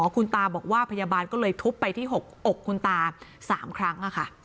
คุณตาบอกว่าพยาบาลก็เลยทุบไปที่หกอกคุณตา๓ครั้ง